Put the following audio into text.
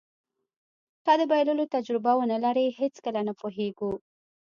که د بایللو تجربه ونلرئ هېڅکله نه پوهېږو.